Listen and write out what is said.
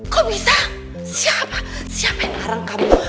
kok bisa siapa siapa yang narang kamu masuk ke rumah ini